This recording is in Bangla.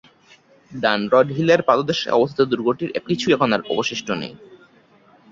ডানরড হিলের পাদদেশে অবস্থিত দুর্গটির কিছুই এখন আর অবশিষ্ট নেই।